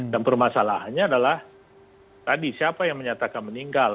dan permasalahannya adalah tadi siapa yang menyatakan meninggal